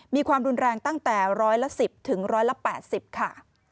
มีความรุนแรงตั้งแต่ร้อยละ๑๐ถึง๑๘๐ค่ะ